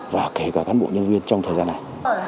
và kể cả cán bộ nhân viên trong thời gian này